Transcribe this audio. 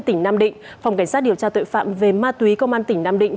tỉnh nam định phòng cảnh sát điều tra tội phạm về ma túy công an tỉnh nam định